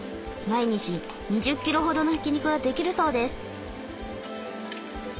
毎日２０キロほどのひき肉ができるそうです。